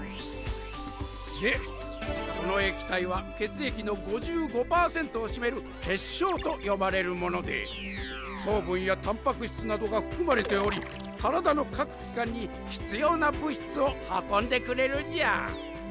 でこの液体は血液の５５パーセントを占める血漿と呼ばれるもので糖分やタンパク質などが含まれており体の各機関に必要な物質を運んでくれるんじゃ。